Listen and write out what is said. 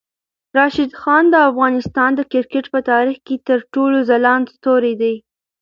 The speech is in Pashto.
راشد خان د افغانستان د کرکټ په تاریخ کې تر ټولو ځلاند ستوری دی.